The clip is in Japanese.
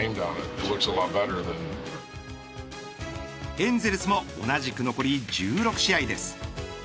エンゼルスも同じく残り１６試合です。